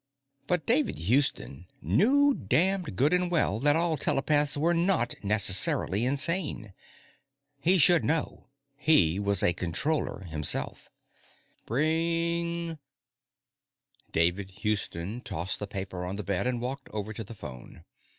But David Houston knew damned good and well that all telepaths were not necessarily insane. He should know. He was a Controller, himself. Brrrring! David Houston tossed the paper on the bed and walked over to the phone.